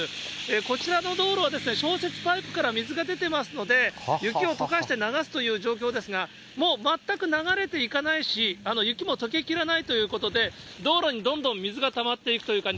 こちらの道路は消雪パイプから水が出てますので、雪をとかして流すという状況ですが、もう全く流れていかないし、雪もとけきらないということで、道路にどんどん水がたまっていくという感じ。